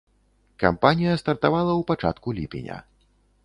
Кампанія стартавала ў пачатку ліпеня.